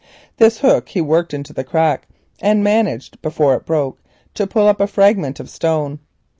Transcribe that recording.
This hook he worked into the crack and managed before it broke to pull up a fragment of stone.